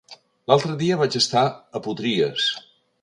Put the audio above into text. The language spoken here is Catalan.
L'altre dia vaig estar a Potries.